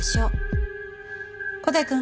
古代くん。